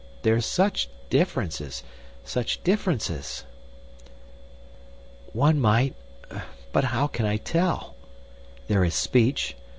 There's such differences—such differences!" "One might.... But how can I tell? There is speech.